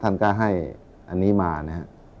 ท่านก็ให้อันนี้มานะครับ